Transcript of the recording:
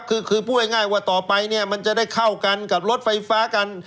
คือพูดง่ายว่าต่อไปเนี่ยมันจะได้เข้ากันกับรถไฟฟ้ากัน